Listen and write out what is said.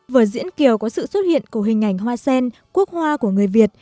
vở diễn kiều có sự xuất hiện của hình ảnh hoa sen quốc hoa của người việt